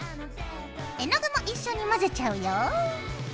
絵の具も一緒に混ぜちゃうよ。